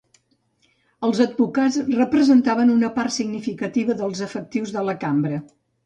Els advocats representaven una part significativa dels efectius de la Cambra.